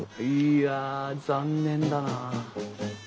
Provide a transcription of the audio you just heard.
いや残念だなあ。